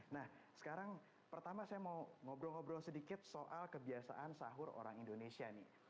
nah sekarang pertama saya mau ngobrol ngobrol sedikit soal kebiasaan sahur orang indonesia nih